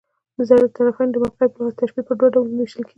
د طرفَینو د موقعیت په لحاظ، تشبیه پر دوه ډولونو وېشل کېږي.